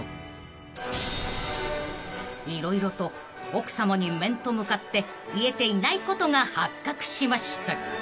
［色々と奥さまに面と向かって言えていないことが発覚しました］